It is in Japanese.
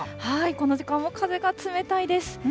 この時間は風が冷たいです。